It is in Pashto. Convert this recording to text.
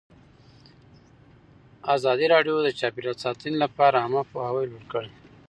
ازادي راډیو د چاپیریال ساتنه لپاره عامه پوهاوي لوړ کړی.